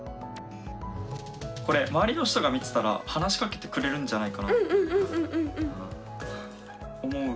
これ周りの人が見てたら話しかけてくれるんじゃないかなって思う。